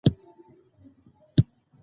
آنلاین پوهه هیڅ حد نلري.